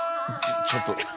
ちょっと。